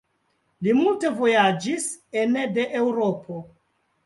Li multe vojaĝis ene de Eŭropo.